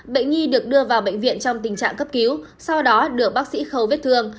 bệnh nhi được đưa vào bệnh viện trong tình trạng cấp cứu sau đó được bác sĩ khâu vết thương